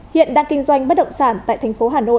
hiện đang kinh doanh bất động sản tại thành phố hà nội